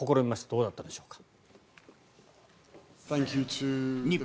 どうだったでしょうか。